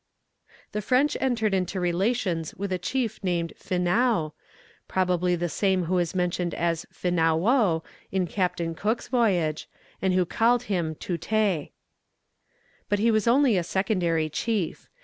The French entered into relations with a chief named Finau, probably the same who is mentioned as Finauo in Captain Cook's voyage, and who called him Touté. But he was only a secondary chief.